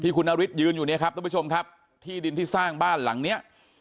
คุณนฤทธิยืนอยู่เนี่ยครับทุกผู้ชมครับที่ดินที่สร้างบ้านหลังเนี้ย